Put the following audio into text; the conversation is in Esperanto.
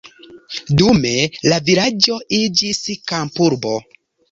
Dume la vilaĝo iĝis kampurbo.